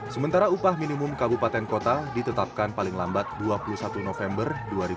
sementara upah minimum kabupaten kota ditetapkan paling lambat dua puluh satu november dua ribu dua puluh